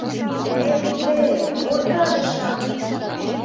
— Эх те, ораде-шамыч!..